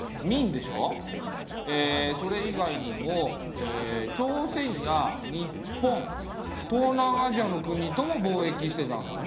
えそれ以外にも朝鮮や日本東南アジアの国とも貿易してたんだね。